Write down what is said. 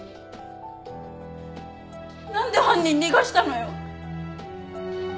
なんで犯人逃がしたのよ！